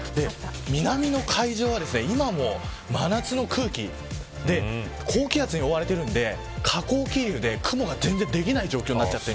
南の海上は、今も真夏の空気で高気圧に覆われているので下降気流で雲が全然できない状態です。